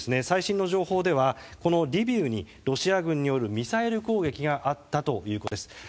最新の情報では、リビウにロシア軍によるミサイル攻撃があったということです。